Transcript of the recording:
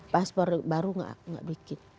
paspor baru enggak bikin